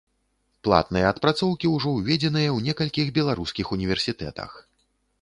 Платныя адпрацоўкі ўжо ўведзеныя ў некалькіх беларускіх універсітэтах.